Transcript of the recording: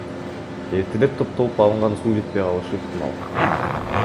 Эртелеп топтолуп алынган суу жетпей калышы ыктымал.